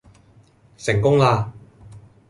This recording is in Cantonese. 成功啦